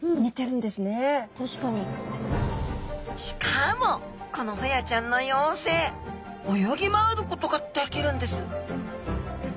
しかもこのホヤちゃんの幼生泳ぎ回ることができるんです